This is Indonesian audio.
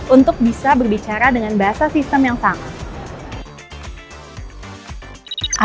untuk bisa berbicara dengan bahasa sistem yang sama